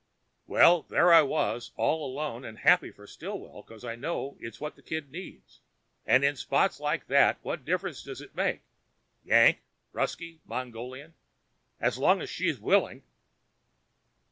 Well, there I was, all alone, but happy for Stillwell, cause I know it's what the kid needs, and in spots like that what difference does it make? Yank Ruskie Mongolian as long as she's willing.